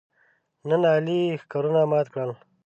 نن علي یې ښکرونه مات کړل.